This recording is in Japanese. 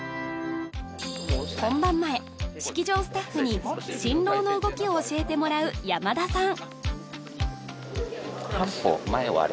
本番前式場スタッフに新郎の動きを教えてもらう山田さん